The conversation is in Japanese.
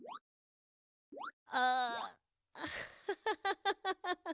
あハハハハハ。